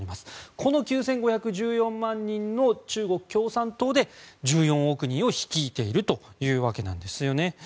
この９５１４万人の中国共産党員で１４億人を率いているというわけなんですよね。